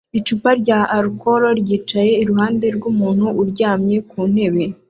Icupa rya alcool ryicaye iruhande rwumuntu uryamye ku ntebe